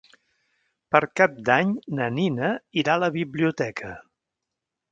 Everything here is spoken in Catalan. Per Cap d'Any na Nina irà a la biblioteca.